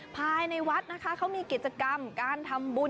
ภายในวัดนะคะเขามีกิจกรรมการทำบุญ